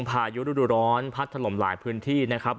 พายุฤดูร้อนพัดถล่มหลายพื้นที่นะครับ